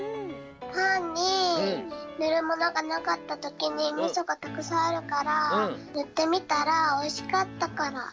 パンにぬるものがなかったときにみそがたくさんあるからぬってみたらおいしかったから。